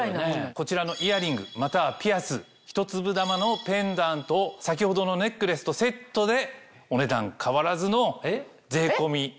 こちらのイヤリングまたはピアスひと粒珠のペンダントを先ほどのネックレスとセットでお値段変わらずの。